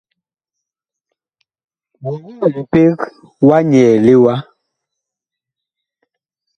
Wɔwɔɔ mpeg wa nyɛɛle wa ?